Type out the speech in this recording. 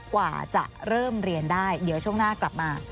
กว่าจะเริ่มเรียนได้เดี๋ยวช่วงหน้ากลับมา